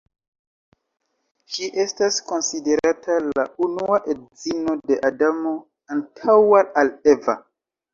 Ŝi estas konsiderata la unua edzino de Adamo, antaŭa al Eva.